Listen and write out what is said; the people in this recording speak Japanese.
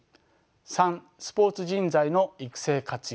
３スポーツ人材の育成・活用。